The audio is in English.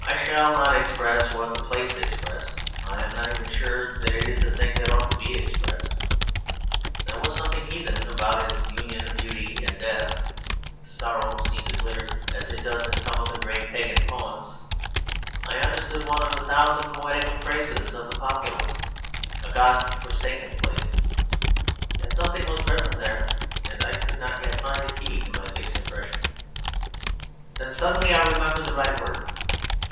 I shall not express what the place expressed. I am not even sure that it is a thing that ought to be expressed. There was something heathen about its union of beauty and death; sorrow seemed to glitter, as it does in some of the great pagan poems. I understood one of the thousand poetical phrases of the populace, "a God forsaken place." Yet something was present there; and I could not yet find the key to my fixed impression. Then suddenly I remembered the right word.